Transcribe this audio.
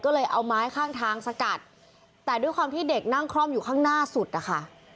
ก็เลยเอาไม้ข้างทางสกัดแต่ด้วยความที่เด็กนั่งคล่อมอยู่ข้างหน้าสุดนะคะ